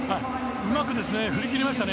うまく振り切りましたね。